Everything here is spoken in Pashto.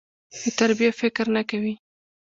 د تربيې فکر نه کوي.